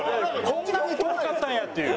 こんなに遠かったんやっていう。